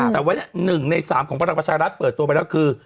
แต่วันหนึ่งในสามของภรรณประชารัฐเปิดตัวไปแล้วคือ